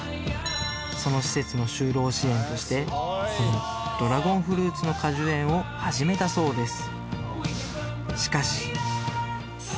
その施設の就労支援としてこのドラゴンフルーツの果樹園を始めたそうです